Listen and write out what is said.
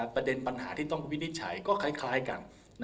ประเด็นปัญหาที่ต้องวินิจฉัยก็คล้ายกัน